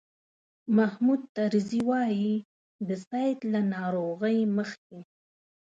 محمود طرزي وایي د سید له ناروغۍ مخکې.